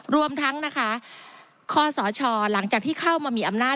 รวมทั้งนะคะคศหลังจากที่เข้ามามีอำนาจ